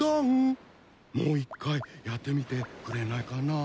もう一回やってみてくれないかなぁ？